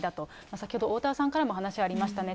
先ほどおおたわさんからも話ありましたね。